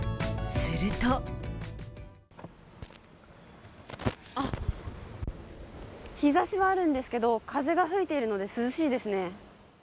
すると日ざしはあるんですけど風が吹いているので涼しいですね。